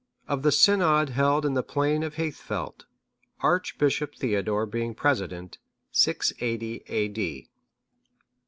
Of the Synod held in the plain of Haethfelth, Archbishop Theodore being president. [680 A.D.